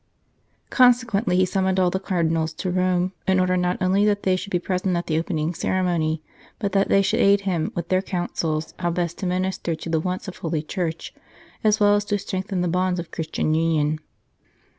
Consequently he summoned all the Cardinals to Rome, in order not only that they should be present at the opening ceremony, but that they should aid him with their counsels how best to minister to the wants of Holy Church, as well as to strengthen the bonds of Christian union.